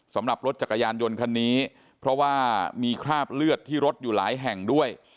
สำหรับรถจักรยานยนต์คันนี้เพราะว่ามีคราบเลือดที่รถอยู่หลายแห่งด้วย